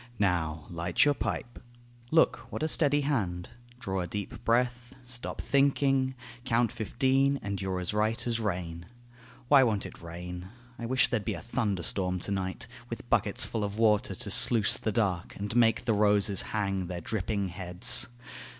Now light your pipe; look, w'hat a steady hand. Draw a deep breath; stop thinking; count fifteen, And you're as right as rain.... Why won't it rain?... I wish there'd be a thunder storm to night, With bucketsful of water to sluice the dark, And make the roses hang their dripping heads.